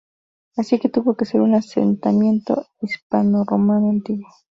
Así que tuvo que ser un asentamiento hispanorromano antiguo.